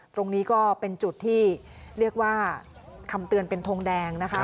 ตรงนี้ก็เป็นจุดที่เรียกว่าคำเตือนเป็นทงแดงนะคะ